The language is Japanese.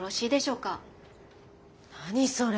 何それ？